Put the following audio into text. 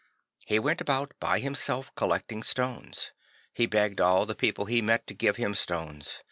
He went about by himself collecting stones. He begged all the people he met to give him stones.